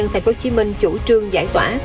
tp hcm chủ trương giải tỏa